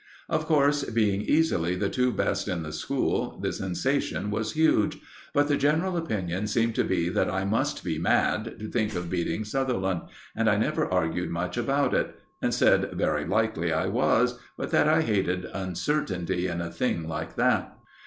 Of course, being easily the two best in the school, the sensation was huge, but the general opinion seemed to be that I must be mad to think of beating Sutherland, and I never argued much about it, and said very likely I was, but that I hated uncertainty in a thing like that.